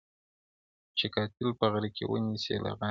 چي قاتل په غره کي ونیسي له غاره!!